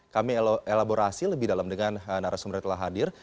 kami elaborasi lebih dalam dengan narasumre telah hadir